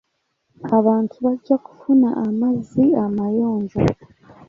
Abantu bajja kufuna amazzi amayonjo.